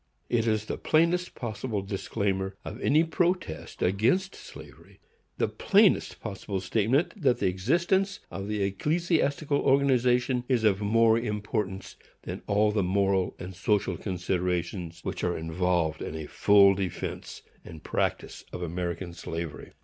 It is the plainest possible disclaimer of any protest against slavery; the plainest possible statement that the existence of the ecclesiastical organization is of more importance than all the moral and social considerations which are involved in a full defence and practice of American slavery.